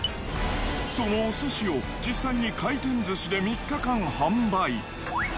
そのお寿司を実際に回転寿司で３日間販売。